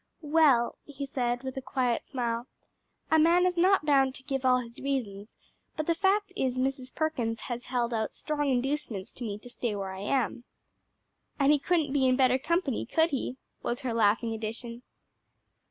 "Well," he said, with a quiet smile, "a man is not bound to give all his reasons, but the fact is Mrs. Perkins has held out strong inducements to me to stay where I am." "And he couldn't be in better company, could he?" was her laughing addition.